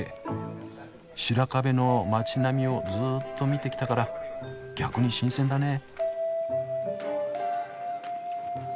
白壁の街並みをずっと見てきたから逆に新鮮だね。